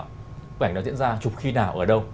các bức ảnh đó diễn ra chụp khi nào ở đâu